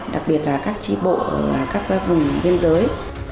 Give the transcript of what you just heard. đặc biệt là các tri bộ ở các vùng biên giới